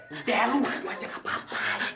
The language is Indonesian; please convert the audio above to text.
udah lo maju aja gak apa apa